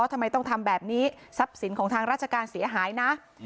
ทำไมต้องทำแบบนี้ทรัพย์สินของทางราชการเสียหายนะ